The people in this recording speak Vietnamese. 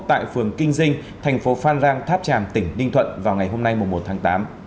tại phường kinh dinh thành phố phan rang tháp tràm tỉnh ninh thuận vào ngày hôm nay một tháng tám